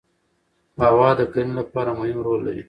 هوا د کرنې لپاره مهم رول لري